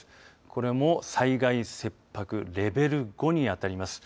これも、災害切迫レベル５に当たります。